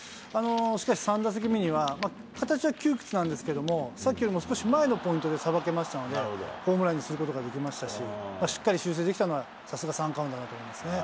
しかし、３打席目には、形は窮屈なんですけども、さっきよりも少し前のポイントでさばけましたので、ホームランにすることができましたし、しっかり修正できたのは、さすが三冠王だと思いますね。